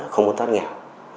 không muốn phát nghèo